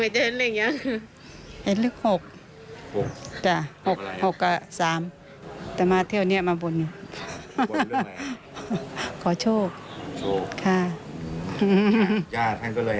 ใช่แทนก็เลยให้มาเป็นเลขเลย